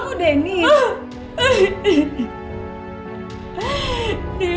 kamu habis ketemu denny